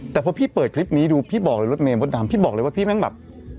แต่พอพี่เปิดคลิปนี้ดูพี่บอกเลยรถเมยมดดำพี่บอกเลยว่าพี่แม่งแบบ